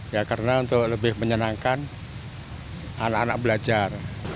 ya karena untuk lebih menyenangkan anak anak belajar